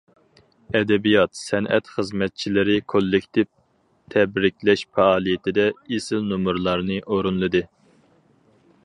ئەدەبىيات- سەنئەت خىزمەتچىلىرى كوللېكتىپ تەبرىكلەش پائالىيىتىدە ئېسىل نومۇرلارنى ئورۇنلىدى.